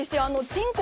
全国